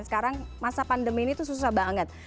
sekarang masa pandemi ini tuh susah banget